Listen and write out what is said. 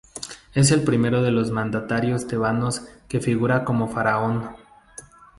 Es el primero de los mandatarios tebanos que figura como faraón.